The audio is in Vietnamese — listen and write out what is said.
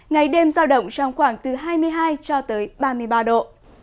ngày đêm giao động trong khoảng từ hai mươi hai cho tới ba mươi ba độ